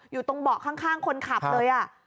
อยู่ตรงเบาะข้างคนขับเลย